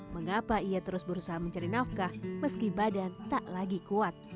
mengapa ia terus berusaha mencari nafkah meski badan tak lagi kuat